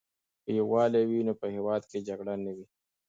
که یووالی وي نو په هېواد کې جګړه نه وي.